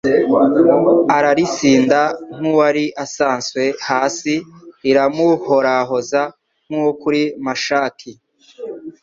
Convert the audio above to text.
aralisinda nk'uwari asanswe hasi, liramuhorahoza nk'uwo kuri Mashaki